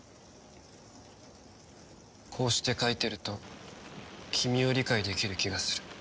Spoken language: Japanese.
こうして描いていると君を理解できる気がする。